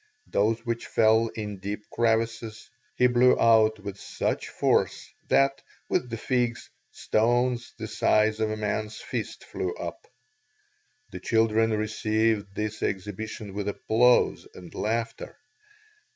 Those which fell in deeper crevices, he blew out with such force that, with the figs, stones the size of a man's fist flew up. The children received this exhibition with applause and laughter.